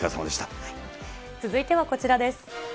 続いてはこちらです。